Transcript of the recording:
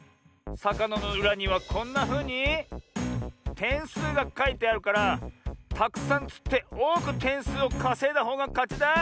さかなのうらにはこんなふうにてんすうがかいてあるからたくさんつっておおくてんすうをかせいだほうがかちだ。